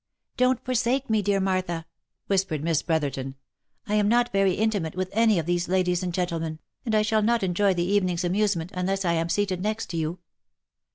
" Don't forsake me, dear Martha !" whispered Miss Brotherton, " I am not very intimate with any of these ladies and gentlemen, and I shall not enjoy the evening's amusement, unless I am seated next you."